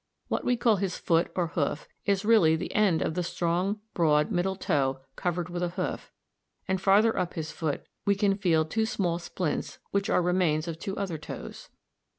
What we call his foot or hoof is really the end of the strong, broad, middle toe t covered with a hoof, and farther up his foot at s and s we can feel two small splints, which are remains of two other toes.